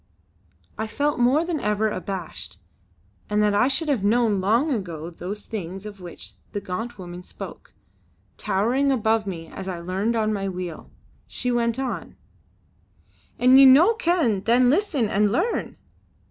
I felt more than ever abashed, and that I should have known long ago those things of which the gaunt woman spoke, towering above me as I leaned on my wheel. She went on: "An' ye no ken, then listen and learn!"